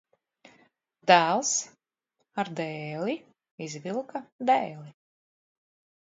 Dēls ar dēli izvilka dēli.